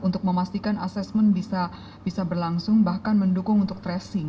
untuk memastikan assessment bisa berlangsung bahkan mendukung untuk tracing